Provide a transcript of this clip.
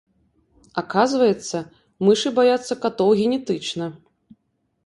Аказваецца, мышы баяцца катоў генетычна.